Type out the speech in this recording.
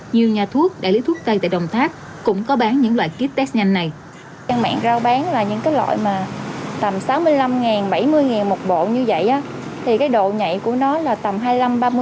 nhiều nhà thuốc đại lý thuốc cây tại đồng tháp cũng có bán những loại ký xét nghiệm nhanh này